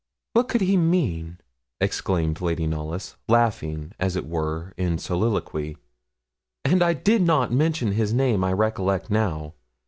'What could he mean?' exclaimed Lady Knollys, laughing, as it were, in soliloquy; 'and I did not mention his name, I recollect now.